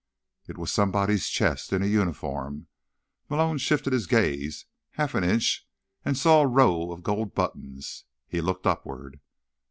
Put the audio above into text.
It was somebody's chest, in a uniform. Malone shifted his gaze half an inch and saw a row of gold buttons. He looked upward.